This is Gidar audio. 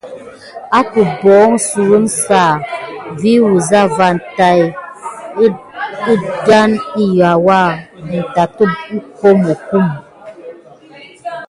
Wakəbohonsewounsa vi wuza van tay əday kiwa in tat əkamokum.